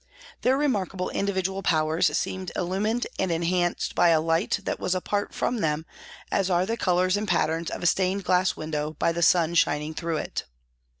Their remarkable individual powers seemed illumined and enhanced by a light that was apart from them as are the colours and patterns of a stained glass window by the sun shining through it.